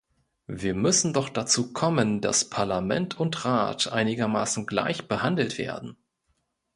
Wir müssen doch dazu kommen, dass Parlament und Rat einigermaßen gleich behandelt werden.